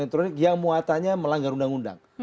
dan dokumen elektronik yang muatannya melanggar undang undang